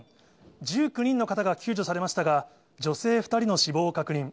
１９人の方が救助されましたが、女性２人の死亡を確認。